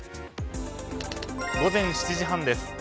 午前７時半です。